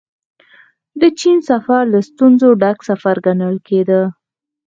د چين سفر له ستونزو ډک سفر ګڼل کېده.